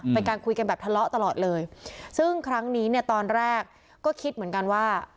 เป็นการคุยกันแบบทะเลาะตลอดเลยซึ่งครั้งนี้เนี่ยตอนแรกก็คิดเหมือนกันว่า